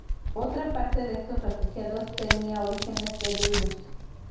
Otra parte de estos refugiados tenía orígenes beduinos.